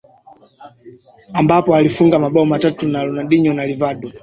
Ambapo alifunga mabao matatu na Ronaldinho na Rivaldo